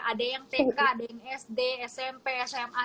ada yang tk sd smp sma